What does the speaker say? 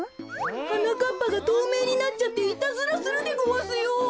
はなかっぱがとうめいになっちゃっていたずらするでごわすよ。